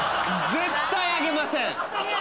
絶対あげません！